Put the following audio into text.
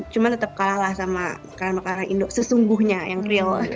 cuma tetap kalah lah sama makanan makanan indo sesungguhnya yang real